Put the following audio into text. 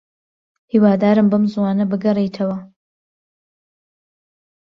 هیوادارم بەم زووانە بگەڕێیتەوە.